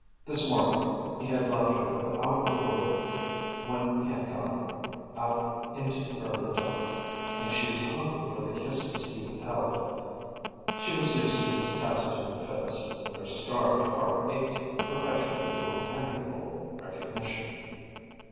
This morning he had left her without a word when he had gone out into the early dawn, and she was hungry for the kisses he withheld. She was used to his taciturn fits, but her starved heart ached perpetually for tangible recognition.